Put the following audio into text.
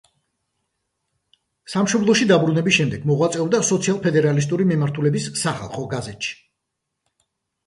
სამშობლოში დაბრუნების შემდეგ მოღვაწეობდა სოციალ-ფედერალისტური მიმართულების „სახალხო გაზეთში“.